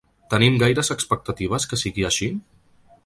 Tenim gaires expectatives que sigui així?